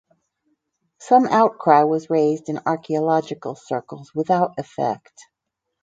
Some outcry was raised in archaeological circles without effect.